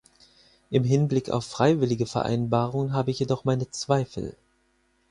Im Hinblick auf freiwillige Vereinbarungen habe ich jedoch meine Zweifel.